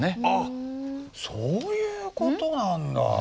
あっそういうことなんだ。